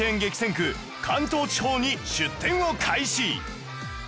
関東地方に出店を開始